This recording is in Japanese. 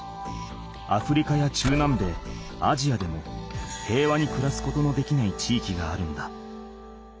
アフリカや中南米アジアでも平和に暮らすことのできない地域があるんだ。